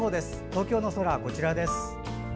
東京の空、こちらです。